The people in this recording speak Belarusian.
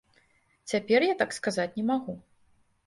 Цяпер я так сказаць не магу.